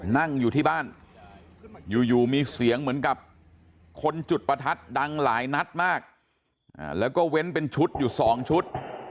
นั่งอยู่ที่บ้านอยู่มีเสียงเหมือนกับคนจุดประทัดดังหลายนัดมากแล้วก็เว้นเป็นชุดอยู่๒ชุด